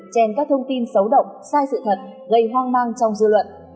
trên các thông tin xấu động sai sự thật gây hoang mang trong dư luận